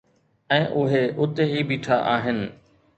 ۽ اهي اتي ئي بيٺا آهن.